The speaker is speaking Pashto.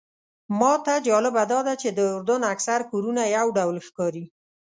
ماته جالبه داده چې د اردن اکثر کورونه یو ډول ښکاري.